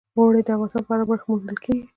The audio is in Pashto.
اوړي د افغانستان په هره برخه کې موندل کېږي.